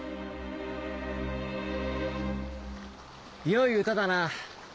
よい歌だな